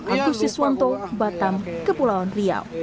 agus siswanto batam kepulauan riau